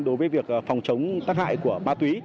đối với việc phòng chống tác hại của ma túy